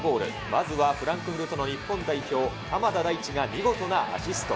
まずはフランクフルトの日本代表、鎌田大地がみごとなアシスト。